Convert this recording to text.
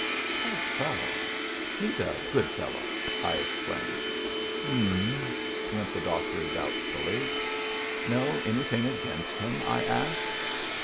"Poor fellow! He's a good fellow!" I ex claimed. " M'm," went the doctor, doubtfully. " Know anything against him ?" I asked.